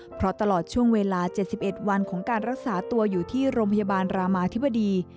เพราะตลอดช่วงเวลา๗๑วันของการรักษาตัวอยู่ที่โรงพยาบาลรามาธิบดี